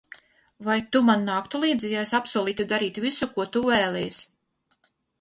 Vai Tu man nāktu līdzi, ja es apsolītu darīt visu, ko Tu vēlies?